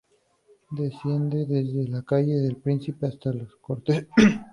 Desciende desde la calle del Príncipe hasta las Cortes.